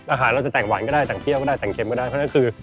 อาหารเราจะแต่งหวานก็ได้แต่งเที่ยวก็ได้แต่งเค็มก็ได้เพราะฉะนั้นคือ